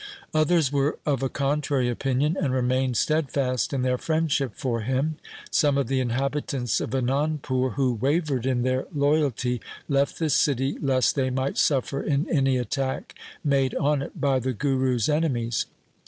Others were of a contrary opinion, and remained steadfast in their friendship for him. Some of the inhabitants of Anandpur who wavered in their loyalty, left the city lest they might suffer in any attack made on it by the Guru's enemies.